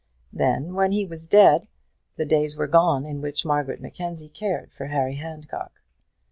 Then, when he was dead, the days were gone in which Margaret Mackenzie cared for Harry Handcock.